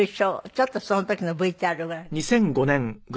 ちょっとその時のＶＴＲをご覧ください。